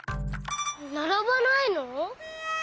ならばないの？